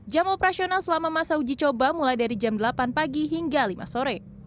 jam operasional selama masa uji coba mulai dari jam delapan pagi hingga lima sore